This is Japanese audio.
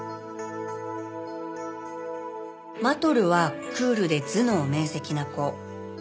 マトルはクールで頭脳明晰な子。